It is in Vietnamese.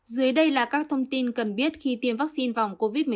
dưới đây là các thông tin cần biết khi tiêm vaccine phòng covid một mươi chín pfizer do vnđ